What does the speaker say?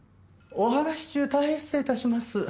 お話し中大変失礼致します。